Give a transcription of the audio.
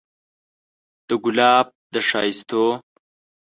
د ګلاب د ښايستو